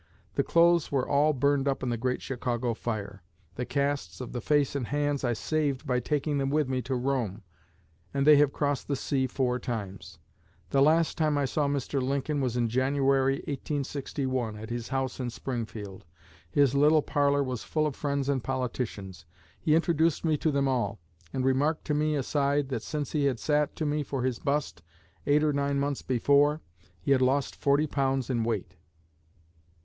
The clothes were all burned up in the great Chicago fire. The casts of the face and hands I saved by taking them with me to Rome, and they have crossed the sea four times. The last time I saw Mr. Lincoln was in January, 1861, at his house in Springfield. His little parlor was full of friends and politicians. He introduced me to them all, and remarked to me aside that since he had sat to me for his bust, eight or nine months before, he had lost forty pounds in weight.